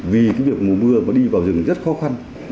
vì cái việc mùa mưa mà đi vào rừng rất khó khăn